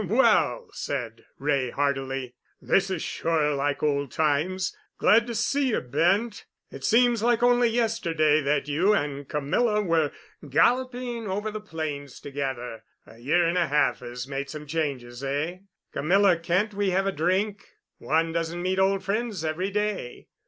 well!" said Wray heartily. "This is sure like old times. Glad to see you, Bent. It seems like only yesterday that you and Camilla were galloping over the plains together. A year and a half has made some changes, eh? Camilla, can't we have a drink? One doesn't meet old friends every day."